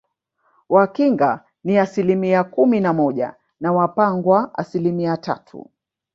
Wakinga ni asilimia kumi na moja na Wapangwa asilimia tatu